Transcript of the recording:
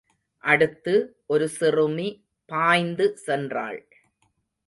அடுத்து, ஒரு சிறுமி பாய்ந்து சென்றாள்.